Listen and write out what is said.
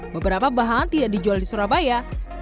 beberapa bahan tidak dijual di surabaya